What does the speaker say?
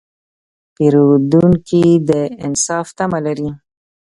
پیرودونکی د انصاف تمه لري.